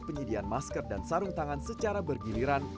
penyediaan masker dan sarung tangan secara bergiliran